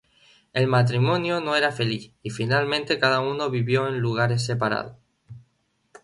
El matrimonio no era feliz, y finalmente cada uno vivió en lugares separados.